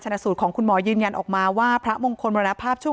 สูตรของคุณหมอยืนยันออกมาว่าพระมงคลมรณภาพช่วง